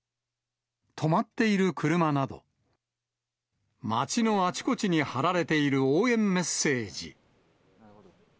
止まっている車など、町のあちこちに貼られている応援メッセージ。